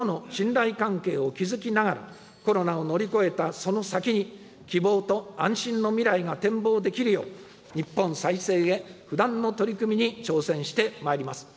公明党は自民党と共に、国民と対話し、国民との信頼関係を築きながら、コロナを乗り越えたその先に、希望と安心の未来が展望できるよう、日本再生へ不断の取り組みに挑戦してまいります。